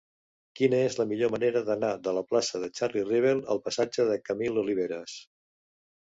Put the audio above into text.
Quina és la millor manera d'anar de la plaça de Charlie Rivel al passatge de Camil Oliveras?